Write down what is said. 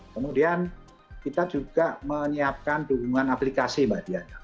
kemudian kita juga menyiapkan dukungan aplikasi mbak diana